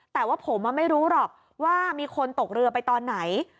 แต่ว่าผมไม่รู้หรอกว่ามีคนตกเรือไปตอนไหน